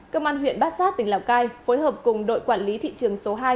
cơ quan huyện bát giác tỉnh lào cai phối hợp cùng đội quản lý thị trường số hai